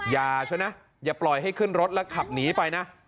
อย่าใช่ไหมอย่าปล่อยให้ขึ้นรถแล้วขับหนีไปนะ